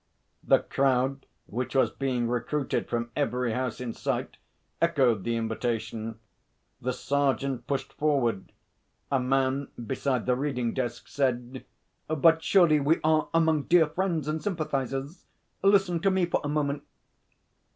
The crowd which was being recruited from every house in sight echoed the invitation. The sergeant pushed forward. A man beside the reading desk said: 'But surely we are among dear friends and sympathisers. Listen to me for a moment.'